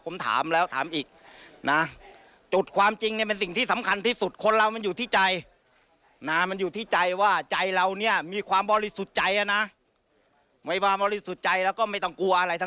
มันก็ต้องนั่นละมันก็ไม่มีอะไรหรอก